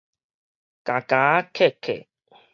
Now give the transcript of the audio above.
含含 𤲍𤲍